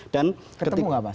dan ketemu apa